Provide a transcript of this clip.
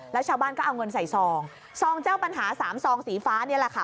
แล้วชาวบ้านก็เอาเงินใส่ซองซองเจ้าปัญหาสามซองสีฟ้านี่แหละค่ะ